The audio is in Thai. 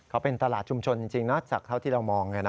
เขาเป็นตลาดชุมชนจริงเนอะจากเท่าที่เรามองเนี่ยเนอะ